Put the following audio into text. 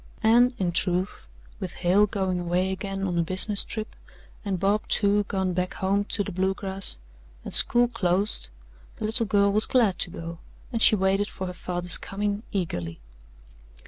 And, in truth, with Hale going away again on a business trip and Bob, too, gone back home to the Bluegrass, and school closed, the little girl was glad to go, and she waited for her father's coming eagerly.